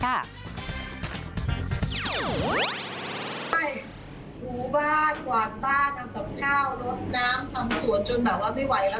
เข้ามากไหมบ้านกวานบ้านทำแบบข้าวรสน้ำทำศวรสจนแบบว่าไม่ไหวแล้ว